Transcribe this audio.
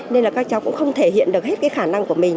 nên là các cháu cũng không thể hiện được hết cái khả năng của mình